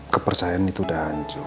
kepercayaan itu udah hancur